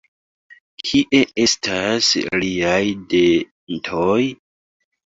Kie estas liaj dentoj?